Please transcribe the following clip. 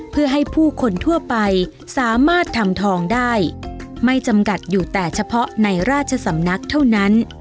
เพื่อให้ผู้คนทั่วไปสามารถทำทองได้ไม่จำกัดอยู่แต่เฉพาะในราชสำนักเท่านั้น